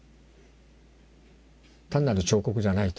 単なる彫刻じゃないと。